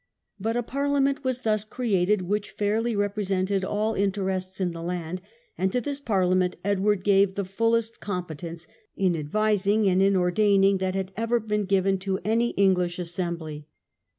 But a parliament was thus created which fairly represented all interests in the land; and to this parliament Edward gave the fullest competence in advising and in ordaining that had ever been given to any English assembly.